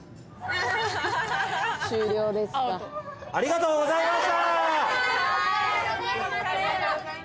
ありがとうございます。